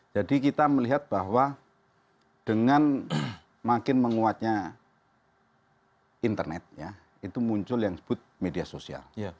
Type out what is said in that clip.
jadi kita melihat bahwa dengan makin menguatnya internetnya itu muncul yang disebut media sosial